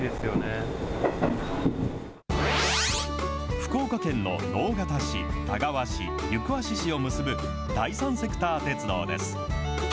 福岡県の直方市、田川市、行橋市を結ぶ第三セクター鉄道です。